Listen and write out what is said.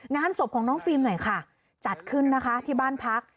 งานศพของน้องฟิล์มหน่อยค่ะจัดขึ้นนะคะที่บ้านพัก